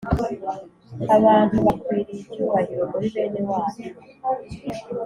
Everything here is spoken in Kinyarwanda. abantu bakwiriye icyubahiro muri bene wacu.